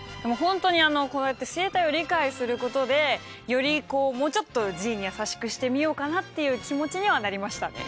こうやって生態を理解することでよりこうもうちょっとＧに優しくしてみようかなっていう気持ちにはなりましたね。